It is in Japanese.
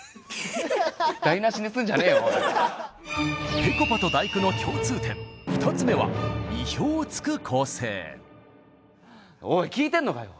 ぺこぱと「第９」の共通点２つ目はおい聞いてんのかよ！